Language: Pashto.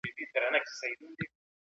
یوازې کلینیکي معاینه کافي نه ده.